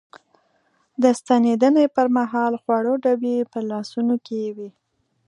د ستنېدنې پر مهال خوړو ډبي په لاسونو کې وې.